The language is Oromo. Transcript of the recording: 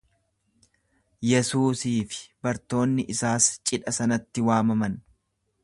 Yesuusii fi bartoonni isaas cidha sanatti waamaman.